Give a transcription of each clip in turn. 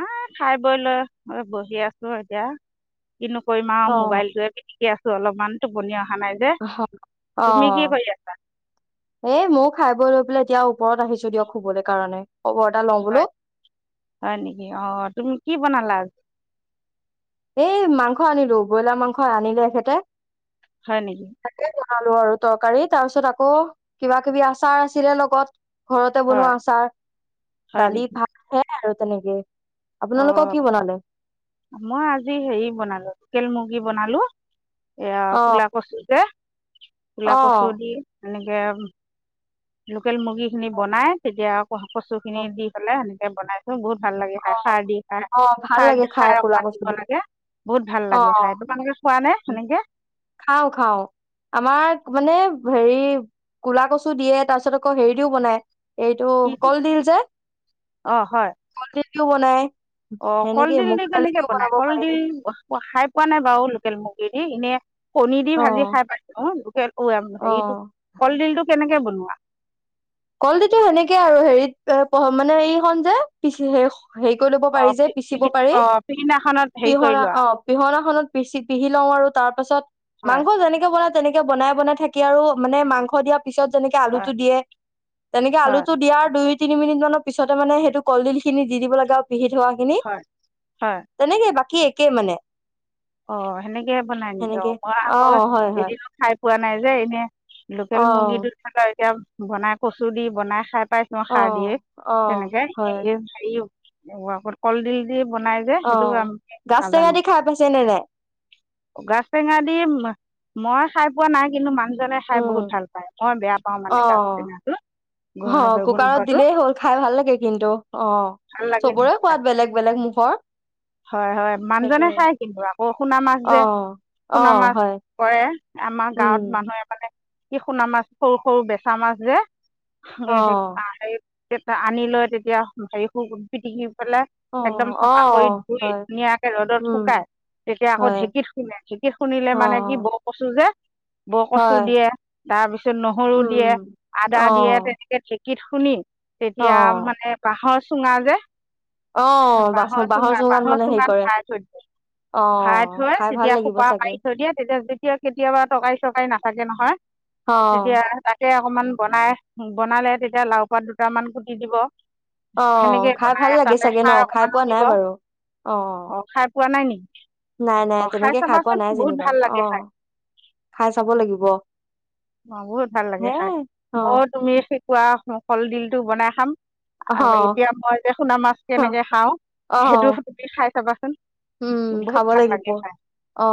আ খাই বৈ লৈ অলপ বহি আছো এতিয়া। কিনো কৰিম আৰু অ', মোবাইলটোৱে পিটিকি আছো অলপ। মানটো [unintelligible] অ', আছা এ ময়ো খাই বৈ লৈ পেলাই এতিয়া ওপৰত আহিছো দিয়ক শুবলৈ কাৰণে। খবৰ এটা লওঁ বোলো হয়- হয় নেকি অ', তুমি কি বনালা আ এই মাংস আনিলো, ব্ৰইলাৰ মাংস আনিলে এখেতে। হয় নেকি। খালো আৰু তৰকাৰী, তাৰ পিছত আকৌ কিবা কিবি আচাৰ আছিলে লগত। ঘৰতে হয় বনোৱা আচাৰ, হয় দালি নেকি ভাত সেইয়া আৰু তেনেকেই। আপোনালোকৰ কি বনালে। জি হেৰি বনালো, লোকেল মুৰ্গী বনালো। এয়া অ', কোলা কছো যে কোলা কচু অ', দি এনেকে লোকেল মুৰ্গীখিনি বনাই তেতিয়া কচুখিনি অ', দি পেলাই সেনেক বনাইছো বহুত ভাল অ', খাৰ দি খাই, অ ভাল খাৰ দ লাগে খাই খাৰ ক'লা অকমান কচু দিব দি লাগে বহুত ভাল লাগে খাই অ'! তোমালোকে খোৱা নে সেনেকৈ খাও, খাও। আমাৰ মানে হেৰি, ক'লা কচু দিয়ে, তাৰ পিছত আকৌ হেৰি দিও বনাই এইটো, কি দি কলডিল যে, অঁ হয় কলডিলটো বনাই। অ সেনেকে কলডিল মুগ দি দালি কেনেকে দিও বনাই? বনাব পাৰি কলডিল? অ' খাই পোৱা নাই বাৰু লোকেল মুৰ্গী দি, এনে কণী দি অ ভাজি খাই পাইছোঁ। লোকেল অ', হেৰিটো, কলডিলটো কেনেকে বনোৱা? কলডিলটো সেনেকে আৰু হেৰিত এ পঢ় মানে সৈইখন যে, পিচি সেইখ হেৰি কৰি ল'ব পাৰি অ', যে, পিচিব পাৰি। অ', পিছদিনাখনত হেৰি কৰি পিহনা লোৱা অ', পিহনাখনত পিচি পিহি লওঁ আৰু, তাৰ পাছত হয়, মাংস যেনেকে বনাই তেনেকে বনাই বনাই থাকি আৰু মানে মাংস দিয়া পিছত যেনেকে আলুটো হয়, দিয়ে তেনেকে আলু হয়, টো দিয়াৰ দুই তিনি মিনিট মানৰ পিছতে মানে সেইটো কলডিল খিনি দি দিব লগে আৰু পিহি থোৱা খিনি। হয়, হয়, তেনেকেই বাকী কি একে মানে? অ' সেনেকেই বনাই নিজে সেনেকে অ', মই আকৌ হয় হয় এদিনোঁ খাই পোৱা নাই যে এনেই অ লোকেল মুৰ্গী দুড খালেও এতিয়া বনাই কচু দি বনাই খাই পাইছোঁ, অ সাৰ দিয়ে, অ তেনেকে হয় হেৰিও মোৰ আকৌ কলডিল দি বনাই যে অ'! গাছ টেঙা দি খাই পাইছে নাই? গাছ টেঙা দি মান মই খাই পোৱা নাই কিন্তু মাং উম, গাজ অ', টেঙাটো অ'হ কুকাৰত গোন্ধটো দিলেই হ'ল, খাই ভাল লাগে কিন্তু, অ', ভাল লাগে চবৰে খাই সোৱাদ বেলেগ-বেলেগ মুখৰ। হয় হয়, মানুহজনে সেইটোৱে খাই কিন্তু আমাৰ। সোণা মাছ অ যে, অ সোণ মাছ, হয় কৰে। আমাৰ গাঁৱত উম মানুহে মানে কি সোণা মাছ, সৰু-সৰু বেচা মাছ যে। অ [unintelligible] তে আনি লয় তেতিয়া, হেৰিবোৰ পিটিকি পেলাই অ! একদম চাফা কৰি অ', অ! ধুই ধুনীয়াকে ৰ'দত শুকাই তেতিয়া আকৌ হয় ঢেঁকীত খুন্দে ঢেঁকীত খুন্দিলে অ মানে সি ব কচু যে বৰকচু হয় দিয়ে তাৰপিছত নহৰু উম দিয়ে অ আদা দিয়ে তেনেকে ঢে কীত খুন্দি অ তেতিয়া মানে বাঁহৰ চুঙা যে অ', বাচ, বাঁহৰ চুঙাল বাঁহ চুঙাত ভৰাই থৈ দিয়ে ভৰাই থৈ খাই ভাল তেতিয়া লাগিব সোপা চাগে মাৰি থৈ দিয়ে তেতিয়া যেতিয়া কেতিয়াবা তৰকাৰী চৰকাৰী নাথাকে নহয় অ তেতিয়া তাকে অকমান বনাই, বনালে তেতিয়া লাও পাত দুটামান কুটি দিব। অ সেনেকৈ খাই বনাই ভাল লাগে তাতে চাগে ন খাৰ খাই অকণমানো পোৱা নাই দিব বাৰু অ অঁ খাই পোৱা নাই নেকি নাই নাই অঁ তেনেকে খাই পোৱা চাবাচোন নাই বহুত যেনিবা ভাল অ লাগে খাই খাই চাব লাগিব অ বহুত ভাল লাগে হে খাই অ মই তুমি শিকোৱা কলদিল টো বনাই খাম। অ আৰু এতিয়া মই যে পোণা মাছ কেনেকে খাও অ সেইটো তুমি খাই চাবা উম খাব লাগিব অ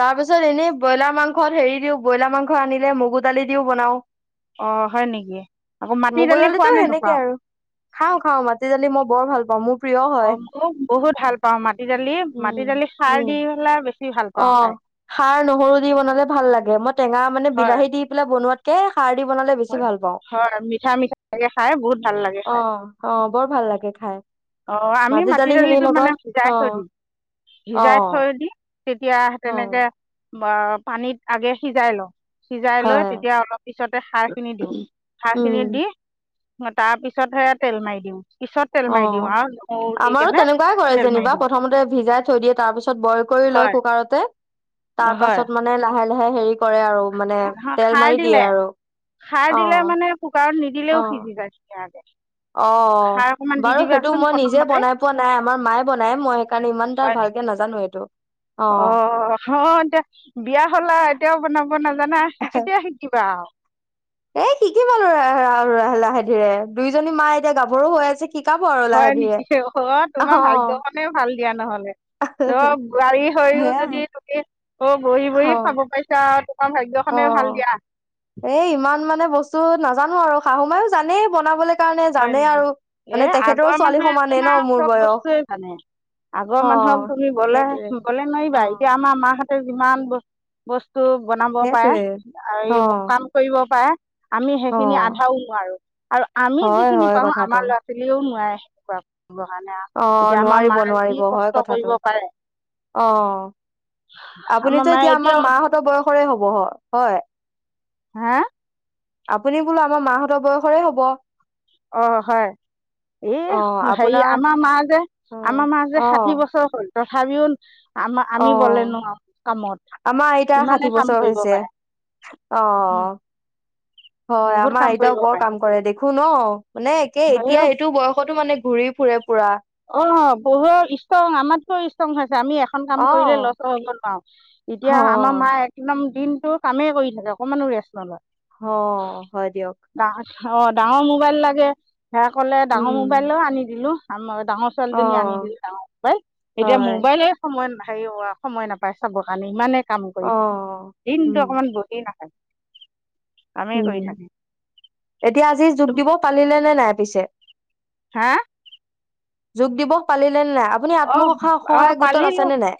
তাৰপিছত এনেই ব্ৰইলাৰ মাংসত হেৰি দিও ব্ৰইলাৰ মাংস আনিলে মগু দালি দিও বনাওঁ। অঁ হয় নেকি আকৌ মাটি মগু দালি খোৱা দালিটো নে সেনেকে নোখোৱা আৰু খাওঁ খাওঁ মাটি দালি মই বৰ ভাল পাও মোক অ বহুত ভাল পাও মাটি দালি উম মাটি দালি খাৰ উম দি পেলাই বেছি ভাল অ পাওঁ খাই খাৰ নহৰু দি বনালে ভাল লাগে মই টেঙা মানে হয় বিলাহী দি পেলাই বনোৱাত কে খাৰ দি বনালে হয় বেছি ভাল পাওঁ হয় মিঠা মিঠাকৈ খাই বহুত ভাল লাগে অ অ বৰ ভাল লাগে খাই। অ আমি মাটি দালি খিনিৰ দালিটো মানে লগত সিজাই অ থৈ দিম অ সিজাই থৈ দি তেতিয়া অ তেনেকে বা পানীত আগে সিজাই লওঁ সিজাই লৈ হয় তেতিয়া অলপ পিছতে খাৰ খিনি দিওঁ খাৰ উম খিনি দি তাৰ পিছতহে তেল মাৰি দিওঁ পিছত তেল মাৰি দি দিওঁ আৰু নহৰু অ' আমাৰো কেনে তেনেকোৱাই কৰে তেল মাৰি যেনিবা দিওঁ প্ৰথমতে ভিজাই থৈ দিয়ে তাৰপিছত বইল কৰি লয় হয় কুকাৰতে তাৰ পাছত মানে লাহে লাহে। [unintelligible] মানে হ তেল মাৰি খাৰ দিয়ে দিলে আৰু খাৰ অ দিলে মানে কুকাৰত নিদিলেও অ সিজি জাইছুন আগে। অ বাৰু সেইটো মই নিজে প্ৰথমতে বনাই পোৱা নাই আমাৰ মায়ে বনাই মই সেইকাৰণে ইমান তা ভালকে নাজানো সেইটো। অ অ এতিয়া বিয়া হল আৰু এতিয়াও বনাব নাজানা কেতিয়া শিকিবা আৰু এ শিকিম আৰু ল ল লাহে ধীৰে দুইজনী মা এতিয়া গাভৰুো হৈ আছে শিকাব আৰু লাহে হয় ধীৰে নেকি অ তোমাৰ অ'। ভাগ্যখনে ভাল। দিয়া নহয়। অ বোৱাৰী হৈও যদি সেয়াই। তুমি বহি বহি অ' খাব পাইছা। অ এ ইমান মানে বস্তু। নাজানো আৰু শাহু মায়ো জানেই বনাবলৈ। কাৰণে হয় জানেই নেকি আৰু এ মানে তেখেতৰো আগৰ ছোৱালী মানুহে সমানেই ন তোমাৰ মোৰ চব বয়স বস্তুয়ে জানে আগৰ মানুহক অ' তুমি বলে সেইটোৱে বলে নোৱাৰিবা এতিয়া অ' আমাৰ মাহত যিমান বস বস্তু টো বনাব পাৰে সেইটোৱে আৰু অ' কাম কৰিব পাৰে। আমি সেইখিনি অ' আধাও নোৱাৰোঁ আৰু আমি যি। সেই হয় খিনি হয় পাৰো কথাটো। আমাৰ ল'ৰা ছোৱালীও নোৱাৰে। [unintelligible] অ' এতিয়া আমাৰ নোৱাৰিব মায়ে যি নোৱাৰিব হয় কষ্ট কথাটো কৰিব পাৰে অ আমাৰ আপুনিতো মায়ে এতিয়া আমাৰ এতিয়াও মাহঁতৰ বয়স। হ'ব হয় হয়। হা আপুনি বোলো আমাৰ মাহঁতৰ বয়সৰে হব। অ হয় এই অ হেৰি আপোনাৰ আমাৰ মা যে অ আমাৰ মা যে অ ষাঠি বছৰ হ'ল। তথাপিও আমাৰ অ আমি বলে নোৱাৰোঁ কামত আমাৰ আতা ইমানে ষাঠি কাম বছৰ কৰিব হৈছে। পাৰে অ উম হয় বহুত আমাৰ কাম কৰিব আইতাও বৰ পাৰে কাম কৰে দেখো ন মানে হয় এতিয়া এইটো বয়সতো মানে ঘূৰি ফুৰে। পুৰা। অ বহু ষ্ট্ৰং আমাতকৈ ষ্ট্ৰং খাই। আমি এখন অ কাম কৰিলে লচও হ'ব নোৱাৰো। এতিয়া হ আমাৰ মা একদম। দিনটো কামে কৰি থাকে অকমানো ৰেষ্ট নলয়। হ হয় দিয়ক। ডা অ ডাঙৰ মোবাইল লাগে। সেয়া ক'লে ডাঙৰ উম মোবাইলো আনি দিলো। আম ডাঙৰ অ ছোৱালীজনী আনি দিলে ডাঙৰ মোবাইল এতিয়া হয় মোবাইলে সময় নাই [unintelligible] সময় নাপায় চাবৰ কাৰণে ইমানে কাম কৰি অ দিনটো উম অকণমান বহি নাথাকে কামেই উম, কৰি থাকে এতিয়া আজি যোগ দিব পাৰিলে নে নাই? পিছে হা যোগ দিৱস পালি পালিলে নাই আপুনি অ আত্মসহায়ক অ সহায় গোটত আছে পালিলো নে নাই?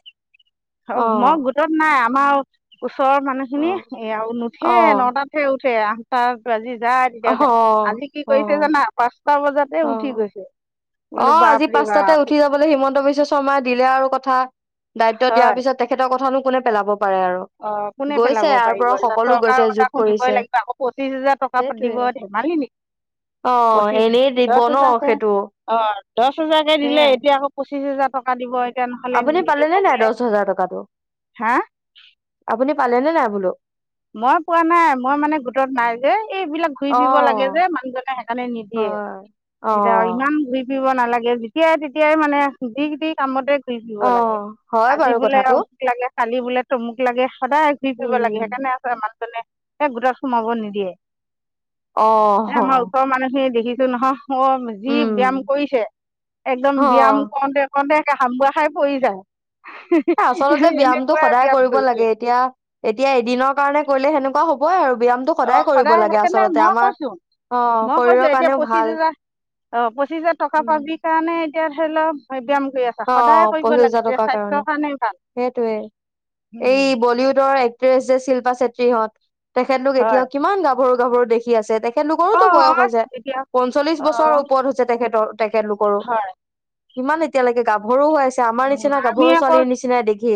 মই অ', গোটত নাই আমাৰ ওচৰৰ মানুহখিনি অ', এয়া নুঠে অ', নটাতহে উঠে। চাৰে আঠটা বাজি যায় তেতিয়া অ', উঠে, আজি কি কৰিছে অ', জানা? পা ছটা বজাতে উঠি গৈছে। বোলো অহ আজি বাপৰে পাঁচটাতে বাপ উঠি যাবলৈ হিমন্ত বিশ্ব শৰ্মাই দিলে আৰু কথা দায়িত্ব দিয়াৰ পিছত তেখেতৰ কথানো কোনে পেলাব? পাৰে আৰু। অহ কোনে গৈছে পেলাব ইয়াৰ পাৰিব পৰা সকলো গৈছে চৰকাৰৰ কথা যোগ শুনিবই কৰিছে লাগিব আকৌ পঁচিশ হাজাৰ টকা সেইটোয়ে। দিব ধেমালি নেকি। অ', পঁচিছ এনেই হাজাৰ দিব দহ ন হাজাৰকে সেইটো অহ দহ হাজাৰকে দিলে সেয়াই। এতিয়া আকৌ পঁচিছ হাজাৰ টকা দিব এতিয়া নহ'লে আপুনি নিদিব পালেনে নাই বোলে দহ হাজাৰ টকাটো? হা আপুনি পালেনেে নাই বোলো? মই পোৱা নাই মই মানে গোটত নাই যে এইবিলাক ঘূৰি ফুৰিব লাগে যে অ', মানুহজনে সেইকাৰণে নিদিয়ে, হয়, এতিয়া অ'। ইমান ঘূৰি ফুৰিব না লাগে যেতিয়াই তেতিয়াই মানে যিটি কামতে ঘূৰি - ফুৰিব অ লাগে হয় আজি বাৰু বোলে কথাটো অমুক লাগে কালি বোলে তমুক লাগে সদায় ঘূৰি ফুৰিব লাগে উম সেইকাৰণে সেইকাৰণে সেই গোটত সোমাব নিদিয়ে। অ এহ হ আমাৰ ওচৰৰ মানুহখিনি দেখি নহয় যি উম ব্যায়াম কৰিছে একদম অ ব্যায়াম কৰোঁতে কৰোঁতে তাই হামবোৱা খাই পৰি যায় আচলতে ব্যায়ামটো এনেকুৱাই সদায় ব্যায়াম কৰিব কৰিছে লাগে এতিয়া এতিয়া এদিনৰ কাৰণে গ'লে সেনেকুৱা হ'বই আৰু ব্যায়ামটো অ কৰিব সদায় লাগে সেইকাৰণে আচলতে মই আমাৰ কৈছো অ মই শৰীৰৰ কৈছো এতিয়া কাৰণেও পঁচিশ ভাল হাজাৰ অ পঁচিছ হাজাৰ টকা উম পাবি কাৰণে [unintelligible] হলে ব্যায় অ', পঁচিশ হাজাৰ টকাৰ কাৰণে। সেইটোৱে এই বলিউডৰ এক যে শিল্পা চেত্ৰীহঁত তেখেতলোক হয় এতিয়াও কিমান গা গাভৰু গাভৰু দেখি আছে অ তেখেতলোকৰোটো বয়স হৈছে এতিয়া পঞ্চল্লিশ অ বছৰৰ ওপৰত হৈছে তেখেতৰ তেখেতলোকৰো হয় ইমান এয়ালৈকে আমি আকৌ দেখি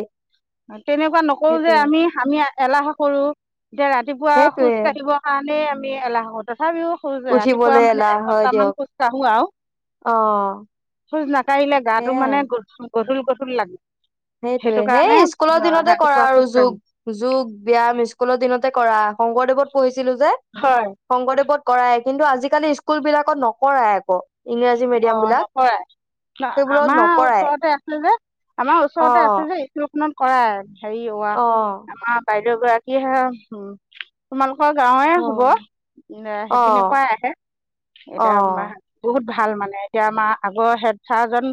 তেনেকুৱা নকৰো যে সেইটোয়ে আমি আমি এলাহ কৰো এতিয়া ৰাতিপুৱা খোজ সেইটোয়ে কাঢ়িব কাৰণেই আমি [unintelligible] তথাপিও খোজ ৰাতিপুৱা উঠিবলে মানে এলাহ হয় এঘন্টামান দিয়ক খোজ কঢ়ো আৰু অ খোজ নাকঢ়িলে গাটো মানে সেইয়াই গ [unintelligible] লাগিল সেইটোয়ে সেই স্কুলৰ দিনতে কৰা ৰাতিপুৱা আৰু খোজ কাঢ়ো যোগ যোগ ব্যাম স্কুলৰ দিনতে কৰা শংকৰদেৱত পঢ়ি ছিলো যে, হয় শংকৰদেৱত কৰায় কিন্তু আজিকালি স্কুল বিলাকত নকৰাই আকৌ ইংৰাজী অ মিডিয়াম বিলাক নকৰাই সেইবোৰত আমাৰ নকৰাই ওচৰতে আছিল যে আমাৰ ও অ ওচৰতে আছে যে [unintelligible] কৰা হৰি অ আম পাই [unintelligible] [unintelligible] তোমালোক গাঁৱে অ হব অ সেপনে পৰা আহে অ এতিয়া বহুত ভাল মানে এতিয়া আমাৰ আগৰ হেড চাৰজন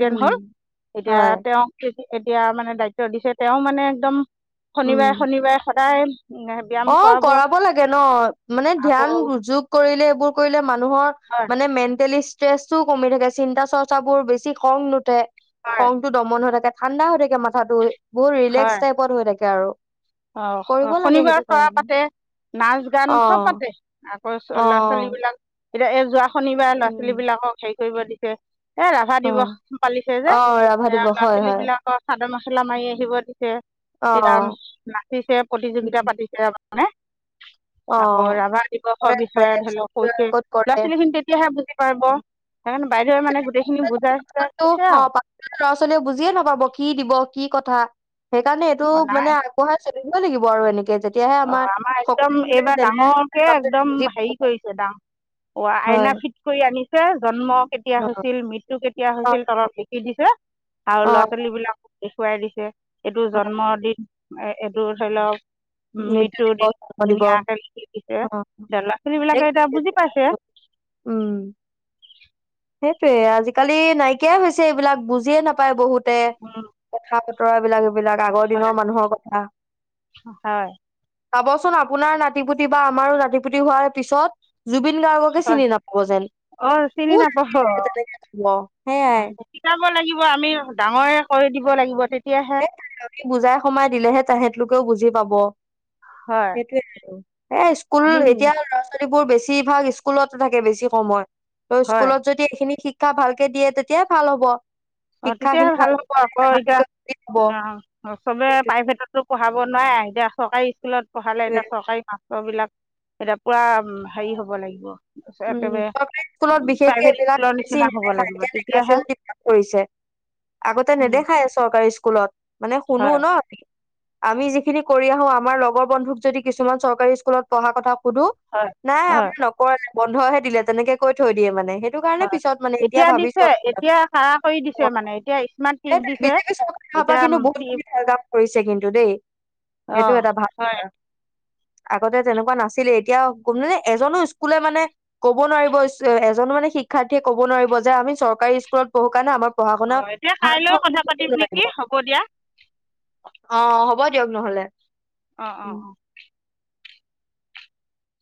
উম হল এতিয়া হয় তেওঁ এতিয়া মানে দায়িত্ব দিছে তেওঁ মানে একদম উম শনিবাৰ শনিবাৰ শ তাই অ', কৰাব লাগে ন? মানে ধ্যান আকৌ যোগ কৰিলে এইবোৰ কৰিলে মানুহৰ হয় মানে মেণ্টেলি তেজতো কমি থাকে, চিন্তা চৰ্চা বোৰ বেছি খং নুঠে। হয় খংটো দমন হৈ থাকে। ঠাণ্ডা হৈ থাকে মাথাাতটো বহুত ৰিলেক্স টাইপত হৈ থাকে আৰু। অ কৰিব লাগে শনিবাৰ সেইটো চ'ৰা কাৰণে পাতে নাচ গান চব অ পাতে আকৌ অ ল'ৰা ছোৱালী বিলাক এতিয়া এ যোৱা শনিবাৰ ল'ৰা উম ছোৱালী বিলাকক হেৰি কৰিব দি ছে এ ৰাভা অ দিৱস পালিছে যে অ ৰাভা এ দিৱস ল'ৰা হয় ছোৱালী হয় বিলাকৰ চাদৰ মেখল মেখেলা মাৰি আহিব দিছে অ তেতিয়া নাচিছে প্ৰতিযোগিতা পাতিছে হয়নে অ আকৌ ৰাভা দিৱসৰ কৰে বিষয়ে ধৰি লওঁক কৈছে কৰে ল'ৰা কৰে ছোৱালী খিনি তেতিয়াহে বুজি পাব, সেইকাৰণে বাইদেৱে মানে গোটেইখিনি বুজাই চুজাই তো দিছে অ আও পাছৰ ল'ৰা ছোৱালীয়ে বুজিয়ে নাপাব কি দিব কি কথা সেইকাৰণে এইটো মানে আগবঢ়াইছে কৰিব লাগিব আৰু এনেক যেতিয়াহে আমাৰ সক এইবাৰ ডাঙৰকে একদম হেৰি কৰিছে ডাঙ অ আইনা হয় ফিট কৰি আনি যে জন্ম কেতিয়া অ হৈছিল মৃত্যু কেতি য়া হৈছিল তলত লিখি দিছিল যে আৰু অ ল'ৰা ছোৱালীবিলাক দে খোৱাই দিছে এইটো হয় জন্মৰ দিন এ এইটো ধৰি লওঁক উম, মৃত্যু দিন দিৱস জন্ম দিৱস অ ধুনীয়াকে লিখি দিছে ল'ৰা ছোৱালী বিলাকে এতিয়া বুজি পাইছে। উম সেইটোয়ে আজিকালি নাইকিয়াই হৈছে এইবিলাক বুজিয়ে নাপায় বহুত তে কথা পা ৰ এইবিলাক এই বিলাক আগৰ দিনৰ মানুহৰ কথা। হয় চাবচোন, আপোনাৰ নাতিপুতি বা আমাৰো নাতিপুতি হোৱাৰ পিছত জুবিন গাৰ্গকে হয় চিনি নাপাব যেন। অঁ চিনি কোন নেপাব। আজিকালি তেনেকে কব সেইয়াই শিকাব লাগিব। আমি ডাঙৰে কৰি দিব লাগিব তেতিয়া। আমি বুজাই সোমাই দিলেহে, তেহেত লোকেও বুজি পাব। হয় সেইটোয়ে আৰু, এ আমি স্কুলত এতিয়া নি- ল'ৰা ছোৱালী বাকিবোৰ বেছিভাগ স্কুলতে থাকে। বেছি সময় তই হয় স্কুলত যদি, এইখিনি ঠিক শিক্ষা ভালকে দিয়ে, তেতিয়াহে ভাল হ'ব। অ' শিক্ষা তেতিয়াহে খিনি ভাল ভালকে হ'ব, পালে আকৌ এতিয়া তাহাঁতলোকে বুজি পাব ন! চবে সেইটোৱে প্ৰাইভেটতো পঢ়াব নোৱাৰে, এতিয়া চৰকাৰী স্কুলত পঢ়ালে সেইটোৱে এতিয়া চৰকাৰী কাম বিলাক এতিয়া পুৰা হেৰি হ'ব লাগিব। একেবাৰে পাব্লিক স্কুলত বিশেষকে প্ৰাইভেট এইবিলাক স্কুলৰ বেছি নিচিনা হ'ব নেদেখায়। লাগিব এতিয়া দেখাইছে তেতিয়াহে যদি ভাল কৰিছে। আগতে উম, নেদেখায় চৰকাৰী স্কুলত। মানে শুনোঁ হয় ন। আমি যিখিনি কৰি আহোঁ, আমাৰ লগৰ বন্ধুক যদি কিছুমান চৰকাৰী স্কুলত পঢ়া কথা সুধোঁ, হয় নাই আমি হয় নকৰোঁ এনেকে ক বন্ধহে দিলে, তেনেকে কৈ থৈ দিয়ে মানে। সেইটো কাৰণে হয় পিছত মানে এতিয়া দিছে ভাবিছোঁ। এতিয়া কাৰা কৰি দিছে মানে এতিয়া স্মাৰ্ট টিপ দিছে বিজপি চৰকাৰ অহাৰ পৰা এতিয়া কিন্তু উম, বহুতখিনি ভাল কাম কৰিছে কিন্তু দেই। অ সেইটো এটা ভাল হয় কথা। আগতে তেনেকুৱা নাছিলে, এতিয়া অকল মানে এজনোঁ স্কুলে মানে ক'ব নোৱাৰিব, এজনোঁ মানে শিক্ষাৰ্থীয়ে ক'ব নোৱাৰিব যে, আমি চৰকাৰী স্কুলত পঢ়ো কাৰণে আমাক পঢ়া অ শুনা এতিয়া ভাল কাইলৈও নহয়, কথা পাতিম [unintelligible] নোৱাৰিব। নেকি হ'ব দিয়া অ হ'ব দিয়ক নহ'লে। অ! অ! উম অ!